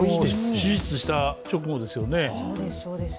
手術した直後ですよね。